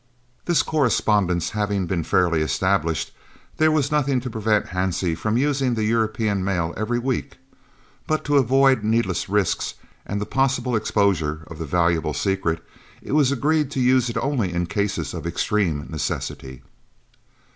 This correspondence having been fairly established, there was nothing to prevent Hansie from using the European mail every week; but to avoid needless risks and the possible exposure of the valuable secret, it was agreed to use it only in cases of extreme necessity.